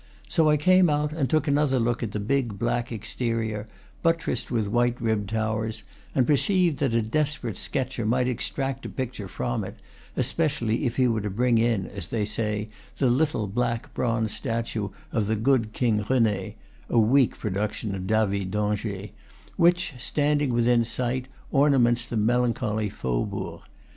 So I came out and took another look at the big, black ex terior, buttressed with white ribbed towers, and per ceived that a desperate sketcher might extract a picture from it, especially if he were to bring in, as they say, the little black bronze statue of the good King Rene (a weak production of David d'Angers), which, standing within sight, ornaments the melancholy faubourg.